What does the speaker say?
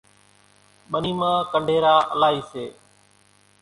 ٻنِي مان ڪنڍيرا الائِي سي۔